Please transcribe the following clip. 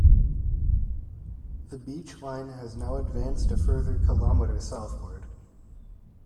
The beachline has now advanced a further kilometre southward.